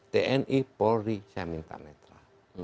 tni polri saya minta netra